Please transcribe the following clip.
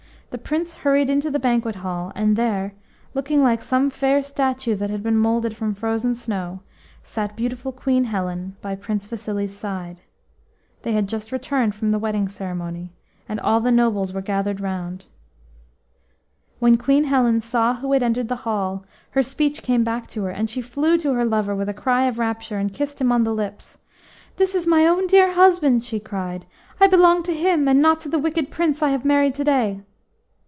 The Prince hurried into the banquet hall, and there, looking like some fair statue that had been moulded from frozen snow, sat beautiful Queen Helen by Prince Vasili's side. They had just returned from the wedding ceremony, and all the nobles were gathered round. HEN Queen Helen saw who had entered the hall, her speech came back to her, and she flew to her lover with a cry of rapture and kissed him on the lips. "This is my own dear husband," she cried. "I belong to him, and not to the wicked Prince I have married to day."